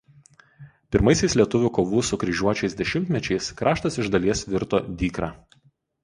Pirmaisiais lietuvių kovų su kryžiuočiais dešimtmečiais kraštas iš dalies virto dykra.